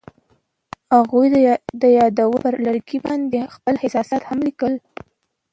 هغوی د یادونه پر لرګي باندې خپل احساسات هم لیکل.